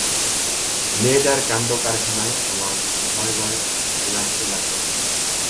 মেয়েটার কাণ্ডকারখানায় আমার ভয়ভয় লাগতে লাগল।